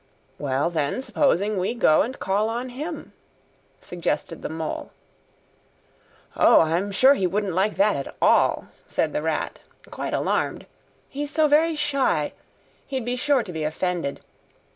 "Well, then, supposing we go and call on him?" suggested the Mole. "O, I'm sure he wouldn't like that at all," said the Rat, quite alarmed. "He's so very shy, he'd be sure to be offended.